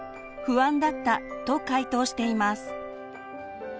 不安だったと回答しています。